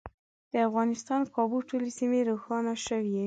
د افغانستان کابو ټولې سیمې روښانه شوې.